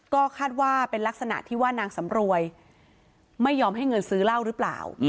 ก็คาดว่าเป็นลักษณะที่ว่านางสำรวยไม่ยอมให้เงินซื้อเหล้าหรือเปล่า